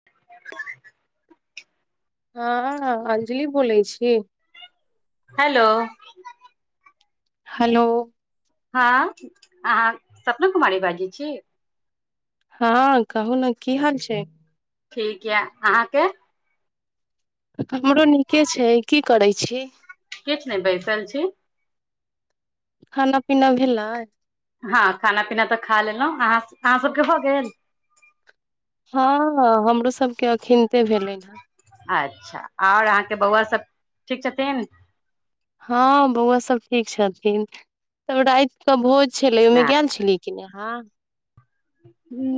क [unintelligible] [unintelligible] हँ अंजलि बोलैत छी हेलो हेलो हा अहाँ सपना कुमारी बाजैत छी हँ कहू ने की हाल छैक ठीक यऽ आहाँके हमरो नीके छै की करैत छी किछ नहि बैसल खाना पीना भेलै हँ खाना पीना तऽ खा लेलहुँ अहाँ अहाँ सभकेँ भऽ गेल हँ हमरो सभकेँ अखनिते भेलैअ हेँ अच्छा आओर अहाँकेँ बौआ सभ ठीक छथिन हँ बौआ सब ठीक छथिन तब रात कऽ भोज छलैक ओहिमे हँ, गेल छलिअय हँ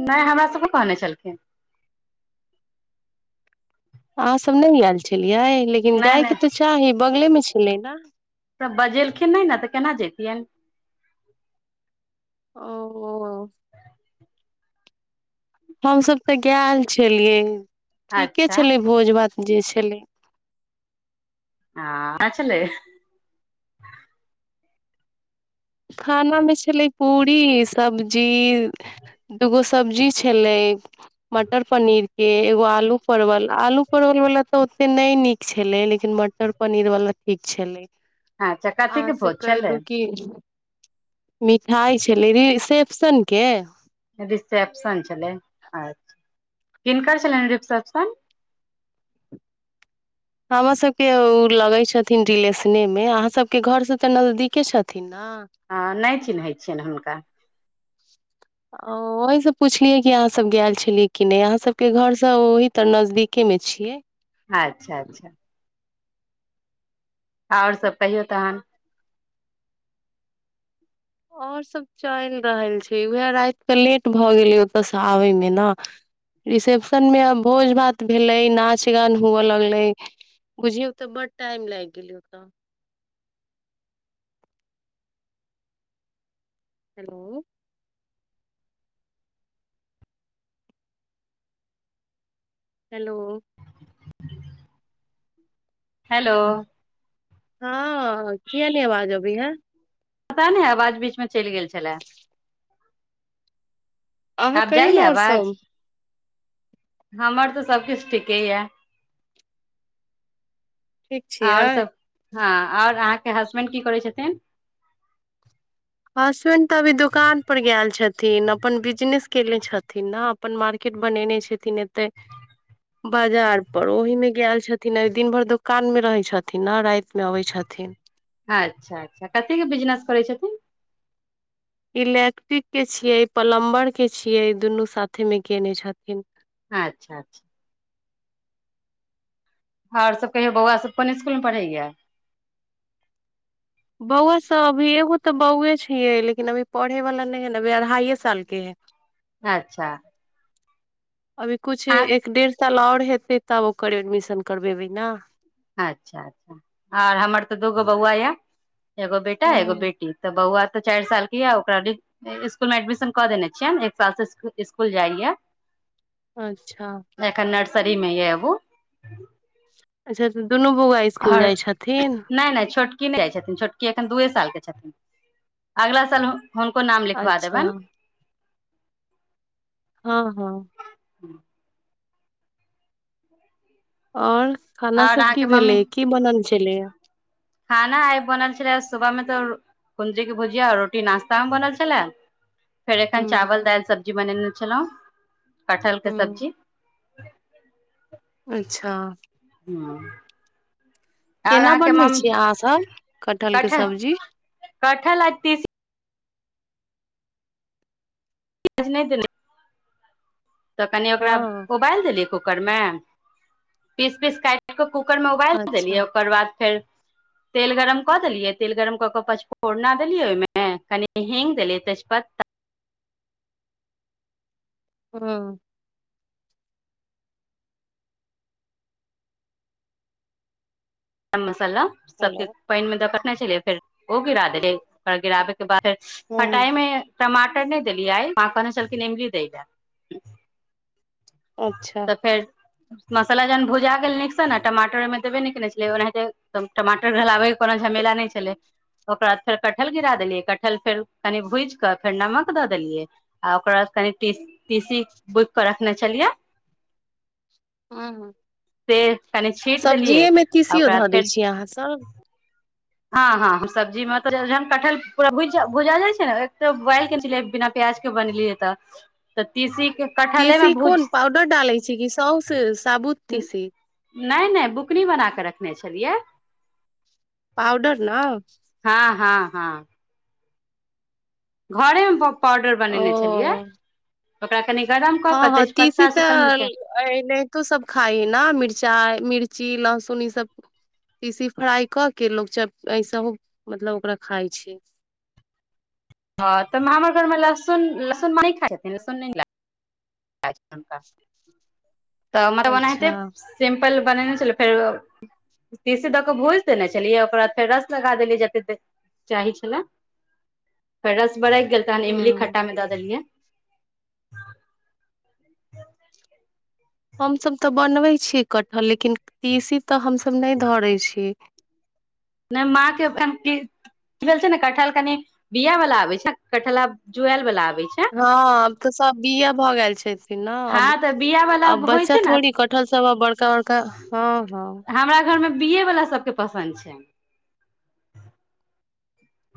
नहि हमरा सभकेँ कहने छलखिन अहाँ सब नहि आयल छलियै लेकिन नहि नहि जायके तऽ चाही बगलेमे छलै ने तऽ बजेलखिन नहि ने तऽ केना जयैतियनि ओ ओ हमसब तऽ गेल छलियै ठीके अच्छा छले भोज भात जे छलै आ रचले खाना मे छलै पूरी सब्जी दूगो सब्जी छलैय मटर पनीर के एगो आलू परवल आलू परवल वला तऽ से नहि नीक छलै लेकिन मटर पनीर वाला ठीक अच्छा छलैक आ कथीके भोज से छलै दुखी मिठाइ छलै रिसेप्शन के [inaudible] रिसेप्शन छलै अच्छा, किनकर छलनि रिसेप्शन हमर सबकेँ ओ लगै छथिन रिलेशने मे अहाँ सभकेँ घर से तऽ नजदीकेँ छथिन ने हँ नहि चिन्हैत छियनि हुनका ओहि से पुछलियै कि अहाँ सब गेल छलियै कि नहि अहाँ सबकेँ घर से ओहि तर नजदीके मे छियै [unintelligible] अच्छा अच्छा आओर सब कहियौ तहन आओर सभ चलि रहल छै उएह राते लेट भऽ गेलै ओतयसँ आबयमे ने रिसेप्शन मे भोज भात भेलै नाच गान हुअ लगलै बुझियौ तऽ बड्ड टाइम लागि गेलै ओतऽ आ [inaudible] हेलो हेलो हेलो हँ कीयै ने आवाज आवै यै पता नहि आवाज बीचमे चलि गेल छलए अहाँ आब कहियौ जाइए ने आओर आवाज सब हमर तऽ सभकिछु ठीके यए ठीक छियै आओर सभ हँ आओर अहाँके हसबैंड की करै छथिन हसबैंड तऽ अभी दोकान पर गेल छथिन अपन बिजनेस कयने छथिन ने अपन मार्केट बनेने छथिन एते बाजार पर ओहिमे गेलल छथिन दिन भरि दोकानमे रहय छथिन ने रातिमे आबाय छथिन अच्छा अच्छा कतेकके बिजनेस करै छथिन इलेक्ट्रिक के छियै प्लम्बर के छियै दुनू साथे मे केने छथिन अच्छा अच्छा आओर सभ कहियौ बौआ सभ कोन इसकुलमे पढ़ैएा बौआ सब अभी एगो तऽ बौए छियै लेकिन अभी पढ़ेवला नहि है ने अभी अढ़ाइए सालके है अच्छा अभी कछु आ एक डेढ़ साल आओर हेतै तब ओकर एडमिशन करबेबै नए अच्छा अच्छा आर हमर तऽ दूगो बौआ यऽ एगो बेटा एगो हूँ बेटी तऽ बहुआ तऽ चार साल के य ओकरा स्कूल मे एडमिशन कऽ देने छियै एक साल से स्कुल जाइये [inaudible] अच्छा सरीमे येहु [unintelligible] स्कुल ओर जाइ छथिन नहि नहि छोटकी नहि जाइ छथिन छोटकी एखन दूए साल के छथिन अगला साल हुनको नाम लिखबा अच्छा देबन हाँ हाँ हूँ ओर खाना आओर सब अहाँके की मम्मी भेलैय की बनल छलैए खाना आई बनल छलै सुबहमे तऽ कुंदरी के भुजिया रोटी नाश्ता मे बनल छलै फेर एखन हूँ चावल दाइल सब्जी बनेने छलौ कटहल के हूँ सब्जी अच्छा ह्म केना बनबै छियै अहाँसब कटहलके कटहल सब्जी कटहल आ तीसी [unintelligible] तऽ कनि ओकरा हँ उबाल देलियै कुकरमे पीस पीस काटकऽ कूकर मे उबालि देलियै अच्छा ओकर बाद फेर तेल गरम कऽ देलियै तेल गरम कऽ क पचफोरना देलियै ओहिमे कने हिंग दैलियै तेजपत्ता हाँ गरम मसाला हेलो सबके पाइन मे दऽ कने छलियै फेर ओ गिरा देलै ओकरा गिराबे के बाद हूँ खटाई मे टमाटर नहि देलिय माँ कहने छलखिन इमली दय लेए अच्छा तऽ फेर मसाला जहन भुजा गेल नीक से ने माटर ओहिमे देबय नए के ने छल ओनाहिते टमाटर घलाबे के झमैला [unintelligible] ओकरा बाद फेर कटहल गिरा देलियै कटहल फेर कनि भुजि कऽ फेर नमक दऽ देलियै आ ओकरा कनि टी टीसी बुक क रखने छलियै हाँ हाँ से कनि छीट देलियै आ धऽ ओकराबाद दै फेर छियै अहाँसभ हाँ हाँ ह्म सब्जीमे कटहल पूरा भ भुजा जाइ छै ने एक त बाइल केने बिना प्याज बनेलियै तऽ तऽ तीसी के कटहले मे तीसी भुज कोन पाउडर डालै छै कि सौसे साबुत तीसी नहि नहि बुकनी बना कऽ रखने छलियै पाउडर ना हाँ घरेमे पाउडर ओ बनेने छलियै ओकरा कनि गरम कऽ हाँ कऽ हाँ तीसी तेजपत्ता सुखल तऽ मिरचाई एनहै तो सब खाई ए ने मिर्चाई मिर्ची ल सुनी सब तीसी फ्राई कऽ के लोक ऐसहो मतलब ओकरा खाई छै ह तऽ हमर घरमे लहसुन लहसुन मानी खाई छथिन लहसुन नहि ल [unintelligible] बने अच्छा ने छललै फेर तीसे दऽ कऽ भोज देने छलियै ओकर बाद फेर रस लगा देलिय जते चाही छलैय फेर रस बरगि गेल तहन इमली हूँ खट्टा मे दऽ देलियै हमसब तऽ बनबै छीयै कटहल लेकिन तीसी तऽ हमसब नहि धरैत छी नहि माँ के जील छै ने कठहल कनि बिया वालला आबे छै कठहल जुएल वालला आ हँ आब तऽ सब बिए भऽ गेल छथिन ने हँ अब तऽ बिया वाला आ होइ बच्चा छै ने थोड़ी कटहल सब आ बड़का बड़का हँ हँ बिए वाला सबके पसंद छै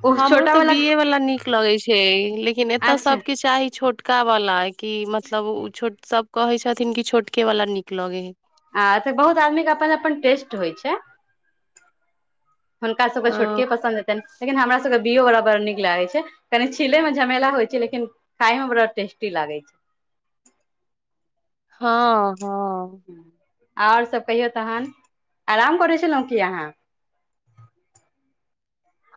ओ हमरो छोटा तऽ वाला बीए वला नीक लगैत छै लेकिन एतय अच्छा सभके चाही छोटका वाला कि मतलब ओ छोट सभ कहैय छथिन कि छोटकेवला नीक लगै हइ आछऽ बहुत आदमीके अपन अपन टेस्ट होइ छै हुनका सभकेँ हँ छोटके पसन्द हेतनि लेकिन हमर सभके बीए बड़ा बड़ नीक लागे छै कनी छीले में झमेला होइ छै लेकिन खाय में बड़ा टेस्टी लागे छै [inaudible] हँ हँ आओर सभ कहियौ तखन आराम करै छलहुँ की अहाँ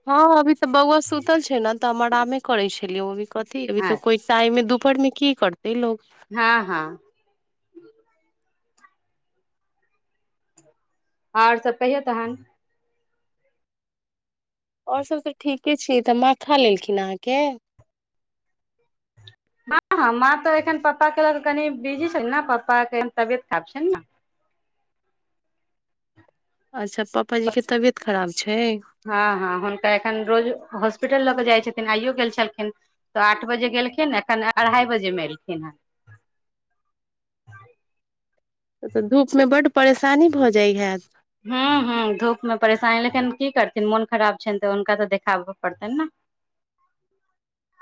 हँ अभी तऽ बौआ सुतल छै ने तऽ हम आरामे करै छलियै ओभी कथी अभी तऽ अच्छा कोइ टाइम मे दुपहर मे की करते लोग हँ हँ आओर सभ कहियौ तहन आओर सभ तऽ ठीके छियै तऽ माखा लेलखिन अहाँके हँ हँ माँ तो एखन पापाके लऽ कऽ कनि बिजी छै ने पापाके तबियत खराब छै ने [inaudible] अच्छा पापाजी के तबियत खराब छै हँ हँ हुनका एखन रोज हॉस्पिटल लऽ कऽ जाइ छथिन आइयो गेल छलखिन तऽ आठ बजे गेलखिन एखन अढ़ाई बजेमे एलखिन हन [inaudible] ह तऽ धूपमे बड्ड परेशानी भऽ जाइ हत साई लेकन की करथिन मोन खराब छै तऽ हुनका तऽ देखाबऽ पड़तनि ने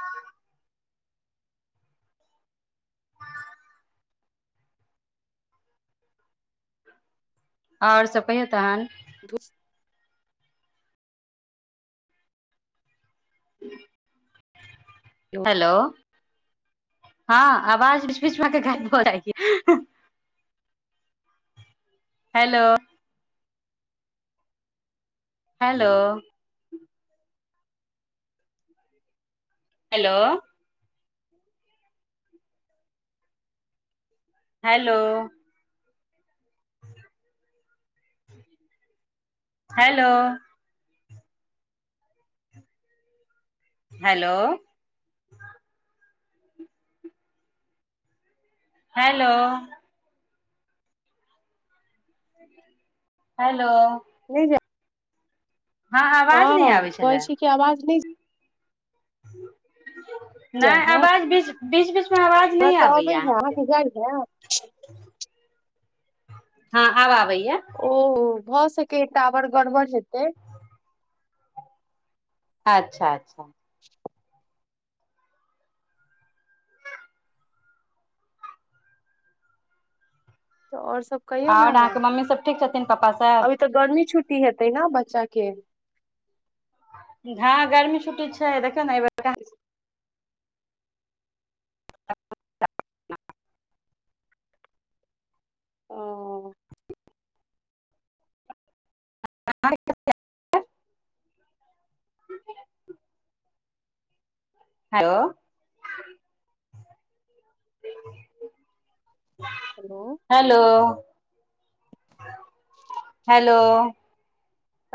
ह आओर सब कहहि हो तहन दूस हेलो हँ आवाज बच बीचमे आय के गायब भजाईछै hello hello hello hello hello hello hello hello नहि जा हँ आवाज नहि आबै कहै छलए छै कि आवाज नहि जाइ नहि है आवाज बीच बीच बीच हमरा तऽ अबै ह अहाँके जाइ हए हँ आब आबै ओ भऽ सकेै त टावर गड़बड़ हतै अच्छा अच्छा तऽ ओर सब कहियौ ने आओर अहाँ अहाँके मम्मी सब ठीक छथिन पापा सब अभी तऽ गर्मी छुट ी हेतै ने बच्चाके घा गर्मी छूटी छै देखने अईबेर कह ओ [unintelligible] हेलो हेलो हेलो हेलो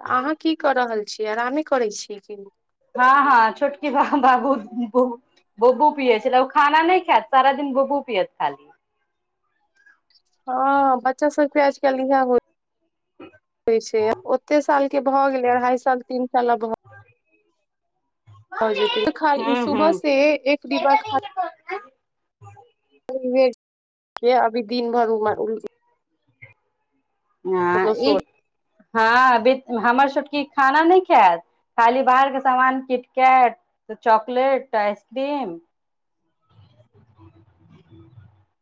तऽ अहाँ की कऽ रहल छियै आरमे करै छि कि हँ हँ छोटकी ब बाबहु ब बबू पियए छलै ओ खाना नहि खायत सार दिन बबू पियत खाली हँ बच्चा सबके आजकल इह हो होइ छै ओते सालके भऽ गेलै अढ़ाइ साल तीन साल अ भऽ गेल भ जेतै ख हूँ सुबह हूँ से एक डिब्बा खा के अभी दिन भर उमर उम ह ई हँ हमर छोटकि खाना नहि खायत खाली बाहरके सामान किटकेैट त चॉकलेट त आइसक्रीम [inaudible]